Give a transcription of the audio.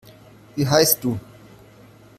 Wie heisst du?